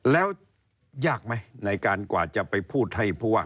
แล้วยากไหมในการกว่าจะไปพูดให้ผู้ว่า